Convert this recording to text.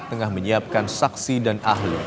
tengah menyiapkan saksi dan ahli